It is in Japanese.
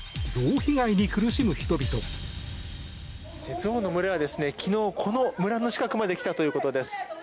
ゾウの群れは昨日この村の近くまで来たということです。